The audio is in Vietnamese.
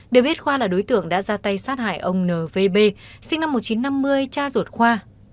để biết khoa là đối tượng đã ra tay sát hại ông n v b sinh năm một nghìn chín trăm năm mươi cha ruột khoa